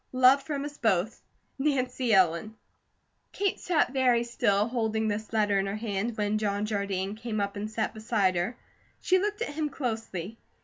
Love from us both, NANCY ELLEN. Kate sat very still, holding this letter in her hand, when John Jardine came up and sat beside her. She looked at him closely.